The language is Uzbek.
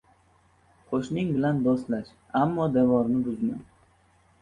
• Qo‘shning bilan do‘stlash, ammo devorni buzma.